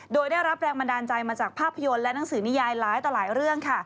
โดยได้รับแรงบันดาลใจมาจากภาพยนตร์และหนังสือนิยายหลายต่อหลายเรื่องค่ะ